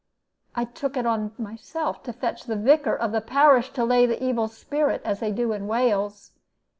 I took it on myself to fetch the Vicar of the parish to lay the evil spirit, as they do in Wales.